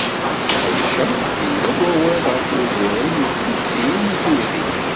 Deg uḥric-a, yella-d wawal ɣef wuguren n tuddsiyin n tudrin.